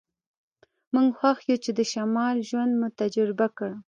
موږ خوښ یو چې د شمال ژوند مو تجربه کړ